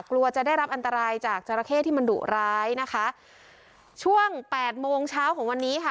กลัวจะได้รับอันตรายจากจราเข้ที่มันดุร้ายนะคะช่วงแปดโมงเช้าของวันนี้ค่ะ